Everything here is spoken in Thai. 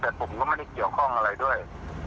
แต่ผมก็ไม่ได้เกี่ยวข้องอะไรด้วย